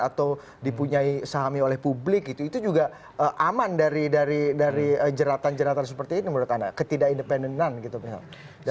atau dipunyai sahami oleh publik itu juga aman dari jeratan jeratan seperti ini menurut anda ketidak independenan gitu misalnya